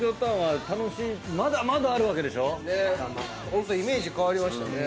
ホントイメージ変わりましたね。